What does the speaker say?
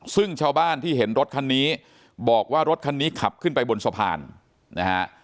ซึ่งชาวบ้านที่เห็นรถคันนี้บอกว่ารถคันนี้ขับขึ้นไปบนสะพานนะฮะ